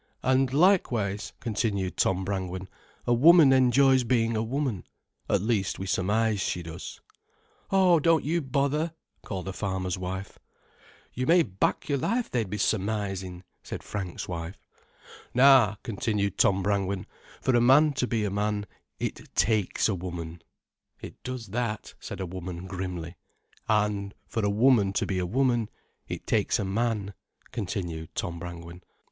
"And likewise," continued Tom Brangwen, "a woman enjoys being a woman: at least we surmise she does——" "Oh, don't you bother——" called a farmer's wife. "You may back your life they'd be summisin'." said Frank's wife. "Now," continued Tom Brangwen, "for a man to be a man, it takes a woman——" "It does that," said a woman grimly. "And for a woman to be a woman, it takes a man——" continued Tom Brangwen.